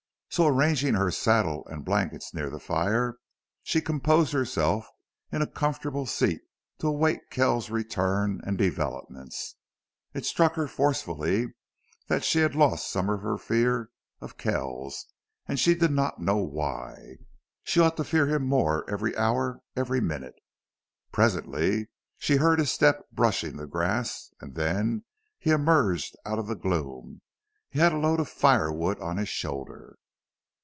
So, arranging her saddle and blankets near the fire, she composed herself in a comfortable seat to await Kells's return and developments. It struck her forcibly that she had lost some of her fear of Kells and she did not know why. She ought to fear him more every hour every minute. Presently she heard his step brushing the grass and then he emerged out of the gloom. He had a load of fire wood on his shoulder.